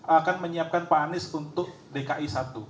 akan menyiapkan pak anies untuk dki satu